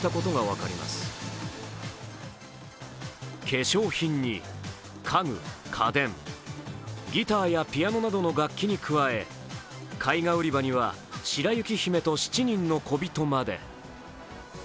化粧品に家具・家電、ギターやピアノなどの楽器に加え絵画売り場には「白雪姫と七人のこびと」まで。